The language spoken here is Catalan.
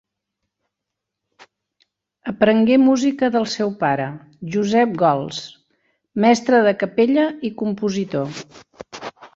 Aprengué música del seu pare, Josep Gols, mestre de capella i compositor.